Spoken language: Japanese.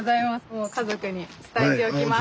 もう家族に伝えておきます。